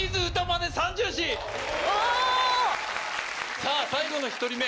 さぁ最後の１人目。